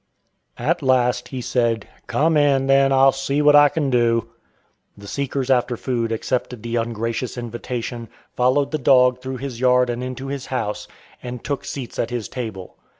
At last he said, "Come in, then; I'll see what I can do." The seekers after food accepted the ungracious invitation, followed the dog through his yard and into his house, and took seats at his table.